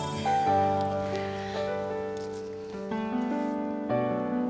sampai jumpa lagi